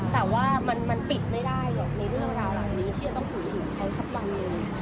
แต่ว่ามันปิดไม่ได้หรอกในเรื่องราวเหล่านี้ที่จะต้องพูดถึงเขาสักวันหนึ่ง